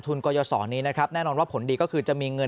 กรยศรนี้นะครับแน่นอนว่าผลดีก็คือจะมีเงิน